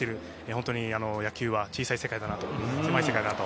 本当に野球は小さい世界だな狭い世界だなと。